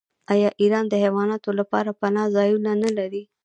آیا ایران د حیواناتو لپاره پناه ځایونه نلري؟